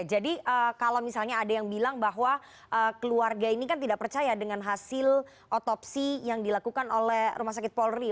jadi kalau misalnya ada yang bilang bahwa keluarga ini kan tidak percaya dengan hasil otopsi yang dilakukan oleh rumah sakit polri